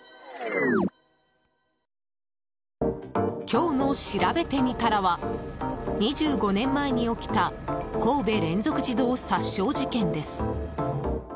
今日のしらべてみたらは２５年前に起きた神戸連続児童殺傷事件です。